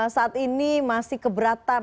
saat ini masih keberatan